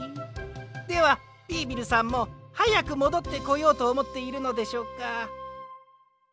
ではビービルさんもはやくもどってこようとおもっているのでしょうか？